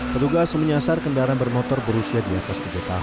petugas menyasar kendaraan bermotor berusia di atas tiga tahun